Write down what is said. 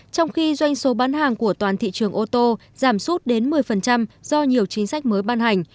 trong khi doanh số bán hàng của toàn thị trường ô tô giảm sút đến một mươi do nhiều chính sách mới ban hành